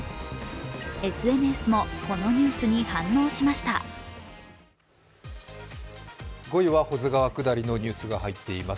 ＳＮＳもこのニュースに反応しました５位は保津川下りのニュースが入っています。